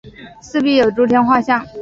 四壁有诸天画像。